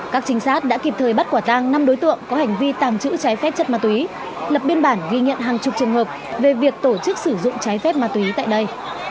các trinh sát đã kịp thời bắt quả tăng năm đối tượng có hành vi tàng trữ trái phép chất ma túy lập biên bản ghi nhận hàng chục trường hợp về việc tổ chức sử dụng trái phép ma túy tại đây